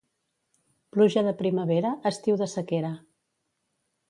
Pluja de primavera, estiu de sequera.